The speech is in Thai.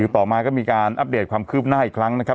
ต่อมาก็มีการอัปเดตความคืบหน้าอีกครั้งนะครับ